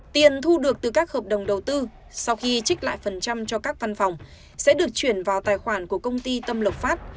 tiền thu được từ các hợp đồng đầu tư sau khi trích lại phần trăm cho các văn phòng sẽ được chuyển vào tài khoản của công ty tâm lộc phát